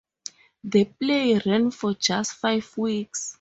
The play ran for just five weeks.